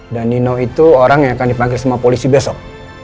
dan nino itu orang yang akan dipanggil sama polisi besok